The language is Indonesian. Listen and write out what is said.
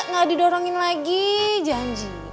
gak didorongin lagi janji